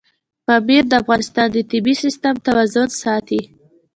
پامیر د افغانستان د طبعي سیسټم توازن ساتي.